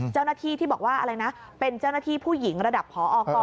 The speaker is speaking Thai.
เจ้าหน้าที่ที่บอกว่าอะไรนะเป็นเจ้าหน้าที่ผู้หญิงระดับพอก